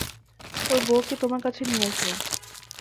ওর বউকে তোমার কাছে নিয়ে আসব।